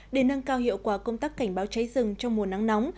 để nâng cao hiệu quả công tác cảnh báo cháy rừng trong mùa nắng nóng